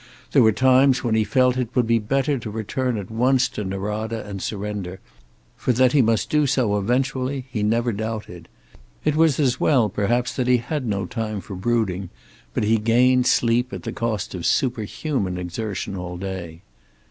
There were times when he felt that it would be better to return at once to Norada and surrender, for that he must do so eventually he never doubted. It was as well perhaps that he had no time for brooding, but he gained sleep at the cost of superhuman exertion all day.